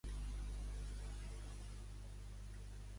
Qui és el Peter carrer Ludvigsen?